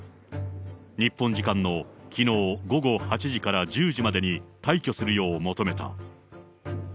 日本時間のきのう午後８時から１０時までに退去するよう求めた。